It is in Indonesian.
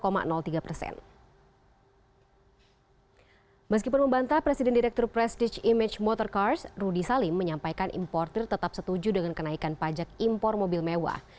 meskipun membantah presiden direktur prestige image motor cars rudy salim menyampaikan importer tetap setuju dengan kenaikan pajak impor mobil mewah